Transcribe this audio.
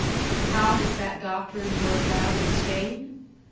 How has that doctrine worked out in Spain?